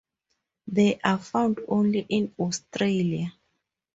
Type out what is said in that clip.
They are found only in Australia.